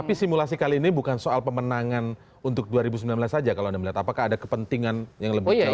tapi simulasi kali ini bukan soal pemenangan untuk dua ribu sembilan belas saja kalau anda melihat apakah ada kepentingan yang lebih jauh